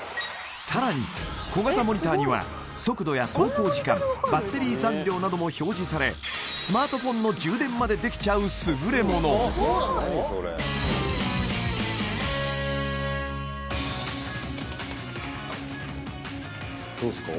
さらに小型モニターには速度や走行時間バッテリー残量なども表示されスマートフォンの充電までできちゃう優れものどうすか？